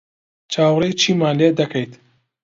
چاوەڕێی چیمان لێ دەکەیت؟